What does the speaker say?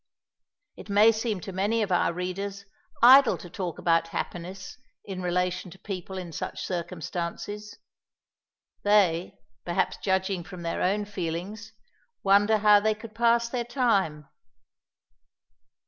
It may seem to many of our readers idle to talk about happiness in relation to people in such circumstances. They, perhaps judging from their own feelings, wonder how they could pass their time.